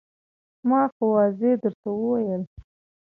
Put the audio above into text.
ما خو واضح درته وویل.